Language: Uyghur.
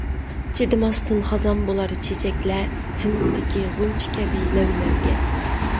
چىدىماستىن خازان بولار چېچەكلەر، سېنىڭدىكى غۇنچە كەبى لەۋلەرگە.